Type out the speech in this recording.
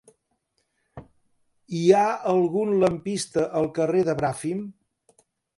Hi ha algun lampista al carrer de Bràfim?